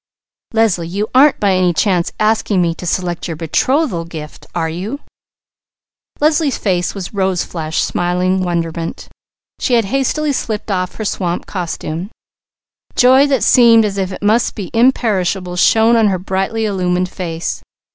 "Leslie, you aren't by any chance asking me to select your betrothal gift, are you?" Leslie's face was rose flushed smiling wonderment. She had hastily slipped off her swamp costume. Joy that seemed as if it must be imperishable shone on her brightly illumined face.